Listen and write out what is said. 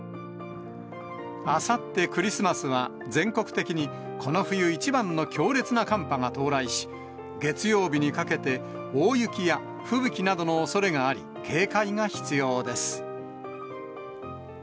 あさってクリスマスは、全国的にこの冬一番の強烈な寒波が到来し、月曜日にかけて大雪や吹雪などのおそれがあり、警戒が必要です。